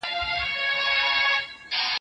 څو مېرمني او نوکر راوړل ډانګونه